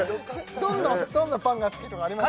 どんなパンが好きとかあります？